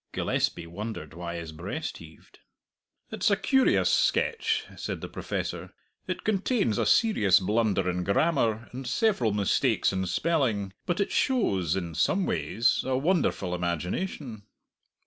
Gillespie wondered why his breast heaved. "It's a curious sketch," said the Professor. "It contains a serious blunder in grammar and several mistakes in spelling, but it shows, in some ways, a wonderful imagination."